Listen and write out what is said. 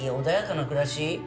穏やかな暮らし？